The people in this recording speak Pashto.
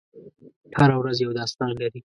هره ورځ یو داستان لري.